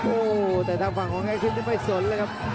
โอ้โหแต่ทางฝั่งของไอซินนี่ไม่สนเลยครับ